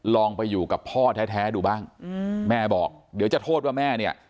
ลองไปอยู่กับพ่อแท้ดูบ้างแม่บอกเดี๋ยวจะโทษว่าแม่เนี่ย